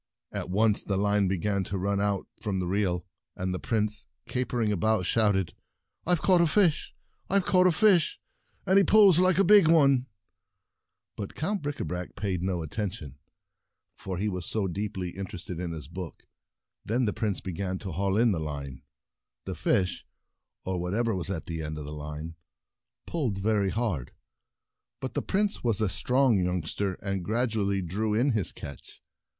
At once the line began to run out from the reel, and the Prince, capering about, shout ed : "I've caught a fish! IVe caught a fish— and he pulls like a big one !" But Count Bricabrac paid no attention. He was so deeply interested in his book. Then A Bite and the Dragons 23 the Prince began to haul in the line. The fish — or whatever was at the end of the line — pulled very hard, but the Prince was a strong youngster, and gradually drew in his catch.